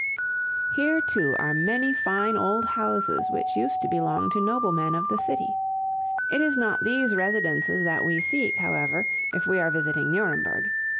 Longfellow] Here, too, are many fine old houses which used to belong to noblemen of the city. It is not these residences that we seek, however, if we are visiting Nuremberg.